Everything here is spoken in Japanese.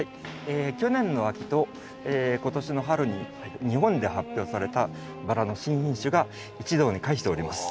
去年の秋と今年の春に日本で発表されたバラの新品種が一堂に会しております。